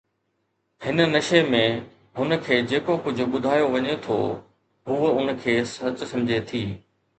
هن نشي ۾، هن کي جيڪو ڪجهه ٻڌايو وڃي ٿو، هوء ان کي سچ سمجهي ٿي.